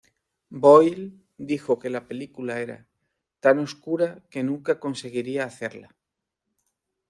Boyle dijo que la película era "tan oscura que nunca conseguiría hacerla".